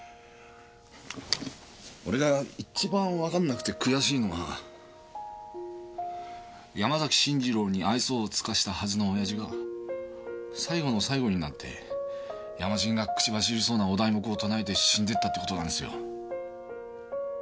俺が一番わかんなくて悔しいのは山崎信二郎に愛想を尽かしたはずの親父が最後の最後になってヤマシンが口走りそうなお題目を唱えて死んでったって事なんですよ。